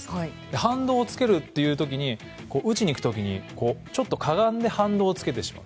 反動をつける時に、打ちにいく時ちょっとかがんで反動をつけてしまう。